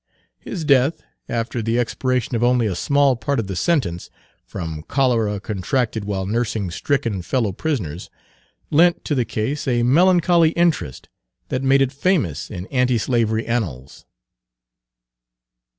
His death, after the expiration of only a small part of the sentence, from cholera contracted while nursing stricken fellow prisoners, lent to the case a melancholy interest that made it famous in anti slavery annals.